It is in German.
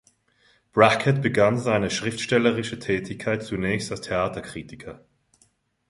Brackett begann seine schriftstellerische Tätigkeit zunächst als Theaterkritiker.